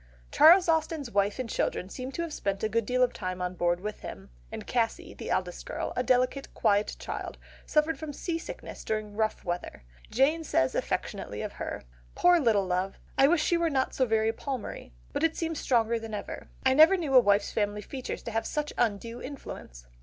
Charles Austen's wife and children seem to have spent a good deal of time on board with him; and Cassy, the eldest girl, a delicate quiet child, suffered from seasickness during rough weather. Jane says affectionately of her, "Poor little love! I wish she were not so very Palmery, but it seems stronger than ever. I never knew a wife's family features have such undue influence."